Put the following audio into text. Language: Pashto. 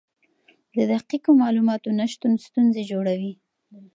د دقیقو معلوماتو نشتون ستونزې جوړوي.